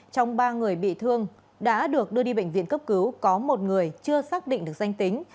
trong ba người bị thương đã được đưa đi bệnh viện cấp cứu có một người chưa xác định được danh tính